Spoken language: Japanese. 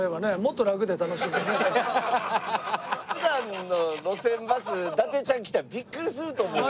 普段の『路線バス』伊達ちゃん来たらビックリすると思うわ。